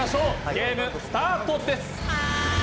ゲームスタートです。